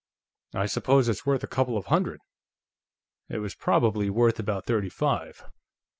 I suppose it's worth a couple of hundred." It was probably worth about thirty five.